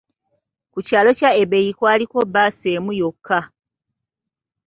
Ku kyaalo kya Ebei kwaliko bbaasi emu yokka.